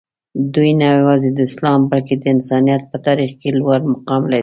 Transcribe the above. دوي نه یوازې د اسلام بلکې د انسانیت په تاریخ کې لوړ مقام لري.